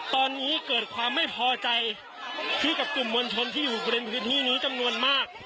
ตอนนี้เกิดความไม่พอใจที่กับกลุ่มมวลชนที่อยู่บริเวณพื้นที่นี้จำนวนมาก